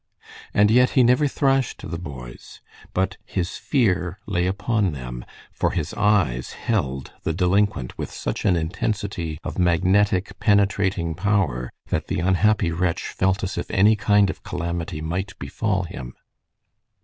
And yet he never thrashed the boys; but his fear lay upon them, for his eyes held the delinquent with such an intensity of magnetic, penetrating power that the unhappy wretch felt as if any kind of calamity might befall him.